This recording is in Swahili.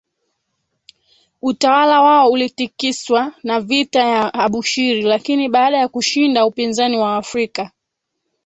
utawala wao ulitikiswa na vita ya Abushiri lakini baada ya kushinda upinzani wa Waafrika